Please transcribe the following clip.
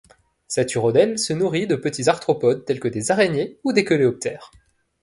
Cet urodèle se nourrit de petits arthropodes tels que des araignées ou des coléoptères.